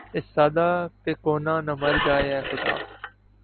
اس سادہ پہ کونہ نہ مر جائے اے خدا